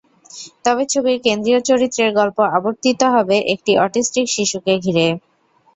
তবে ছবির কেন্দ্রীয় চরিত্রের গল্প আবর্তিত হবে একটি অটিস্টিক শিশুকে ঘিরে।